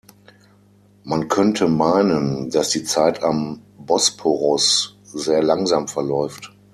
Man könnte meinen, dass die Zeit am Bosporus sehr langsam verläuft.